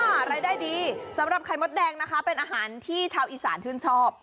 รายได้ดีสำหรับไข่มดแดงนะคะเป็นอาหารที่ชาวอีสานชื่นชอบ